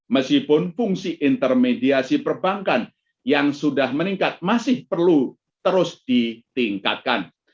meskipun fungsi intermediasi perbankan yang sudah meningkat masih perlu terus ditingkatkan